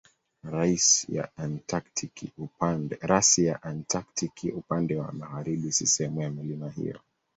Rasi ya Antaktiki upande wa magharibi si sehemu ya milima hiyo.